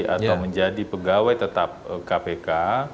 atau menjadi pegawai tetap kpk